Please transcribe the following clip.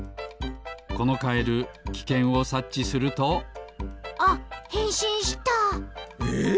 このカエルきけんをさっちするとあっへんしんした！え！？